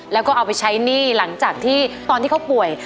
แล้วก็เอาไปใช้หนี้หลังจากที่ตอนที่เขาป่วย